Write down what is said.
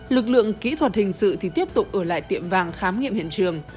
lực lượng kỹ thuật hình sự thì tiếp tục ở lại tiệm vàng khám nghiệm hiện trường